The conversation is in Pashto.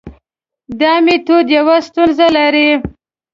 دا میتود یوه ستونزه لري.